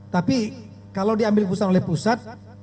tapi kalau diambil pusat oleh pusat